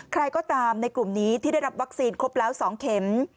ใครก็ตามในกลุ่มนี้ที่ได้รับวัคซีนครบแล้ว๒เข็ม